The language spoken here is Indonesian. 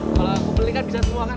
kalau aku beli kan bisa semua kan